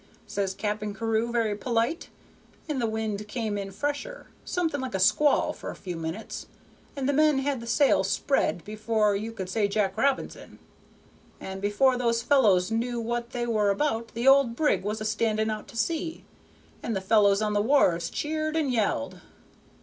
says Cap'n Carew, very polite; and the wind came in fresher, something like a squall for a few minutes, and the men had the sails spread before you could say Jack Robi'son, and before those fellows knew what they were about the old brig was a standing out to sea, and the folks on the wharves cheered and yelled.